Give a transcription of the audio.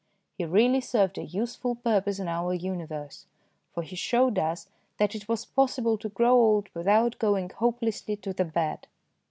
He really served a useful purpose in our universe, for he showed us that it was possible to grow old without going hopelessly to the bad.